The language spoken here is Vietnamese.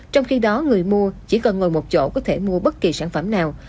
trong khi đó người mua chỉ cần ngồi một chỗ có thể mua bất kỳ sản phẩm nào